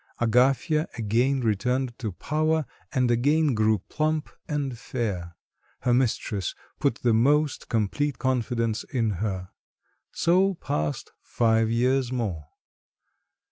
Agafya again returned to power, and again grew plump and fair; her mistress put the most complete confidence in her. So passed five years more.